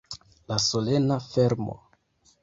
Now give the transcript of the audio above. La solena fermo.